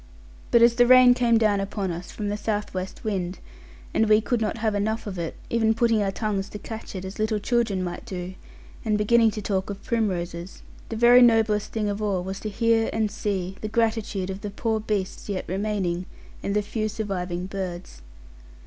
But as the rain came down upon us from the southwest wind, and we could not have enough of it, even putting our tongues to catch it, as little children might do, and beginning to talk of primroses; the very noblest thing of all was to hear and see the gratitude of the poor beasts yet remaining and the few surviving birds.